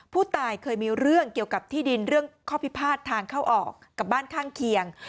ผู้ตายเคยมีเรื่องเกี่ยวกับที่ดินเรื่องข้อพิพาททางเข้าออกกับบ้านข้างเคียง